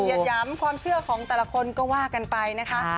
หย้ำความเชื่อของแต่ละคนก็ว่ากันไปนะคะ